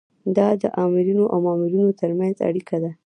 دا د آمرینو او مامورینو ترمنځ اړیکه ده.